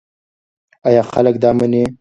ایا خلک دا مني؟